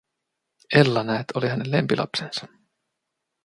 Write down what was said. Ella, näet, oli hänen lempilapsensa.